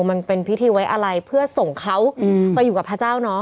มันเป็นพิธีไว้อะไรเพื่อส่งเขาไปอยู่กับพระเจ้าเนอะ